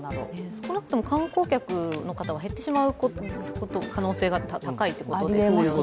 少なくとも観光客の方々は減ってしまう可能性がありますよね。